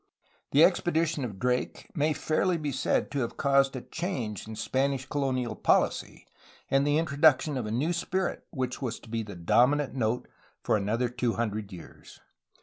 The expedition of Drake may fairly be said to have caused a change in Spanish colonial policy and the introduction of a new spirit which was to be the dominant note for another two hundred years.